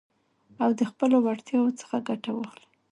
او د خپلو وړتياوو څخه ګټه واخلٸ.